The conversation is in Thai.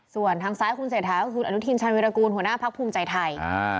ส่วนทางซ้ายคุณเศรษฐาก็คือคุณอนุทินชาญวิรากูลหัวหน้าพักภูมิใจไทย